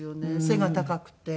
背が高くて。